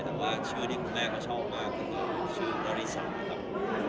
แต่ว่าชื่อที่คุณแม่เขาชอบมากก็คือชื่อนาริสาครับ